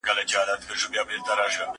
زه کولای سم کالي وچوم؟